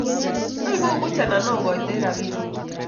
"Oibe buuch, anan ogaiti robinik?"